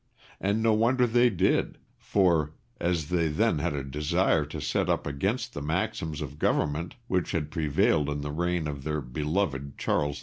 And no wonder they did, for, as they then had a desire to set up again the maxims of government which had prevailed in the reign of their beloved Charles II.